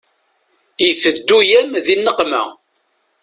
Iteddu-yam di nneqma.